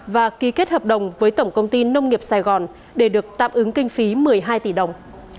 và ký kết hợp đồng với tổng công ty nông nghiệp sài gòn để được tạm ứng kinh phí một mươi hai tỷ đồng